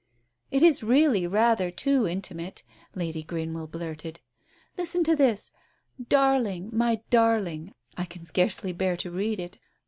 " It is really rather too intimate !" Lady Greenwell blurted out. "Listen to this — 'Darling, my darling.' I can scarcely bear to read it.